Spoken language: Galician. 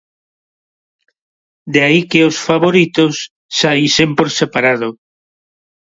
De aí que os favoritos saísen por separado.